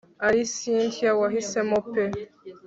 ari cyntia wahisemo pe